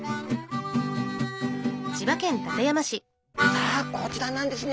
さあこちらなんですね。